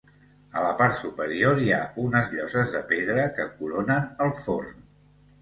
A la part superior hi ha unes lloses de pedra que coronen el forn.